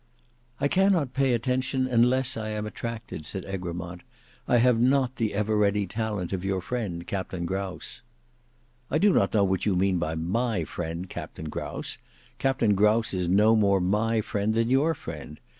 "I cannot pay attention unless I am attracted," said Egremont; "I have not the ever ready talent of your friend, Captain Grouse." "I do not know what you mean by my friend Captain Grouse. Captain Grouse is no more my friend than your friend.